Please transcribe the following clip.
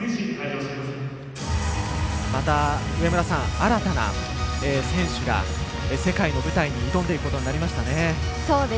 また、新たな選手が世界の舞台に挑んでいくことになりましたね。